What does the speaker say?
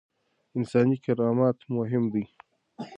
انساني کرامت مهم دی.